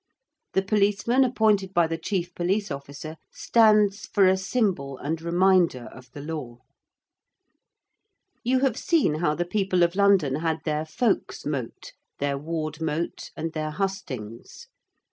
The policeman appointed by the Chief Police Officer stands for a symbol and reminder of the Law. You have seen how the people of London had their Folks' Mote, their Ward Mote, and their Hustings.